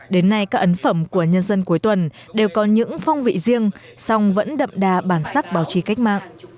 đến nay các ấn phẩm của nhân dân cuối tuần đều có những phong vị riêng song vẫn đậm đà bản sắc báo chí cách mạng